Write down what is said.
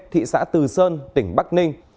thị xã từ sơn tỉnh bắc ninh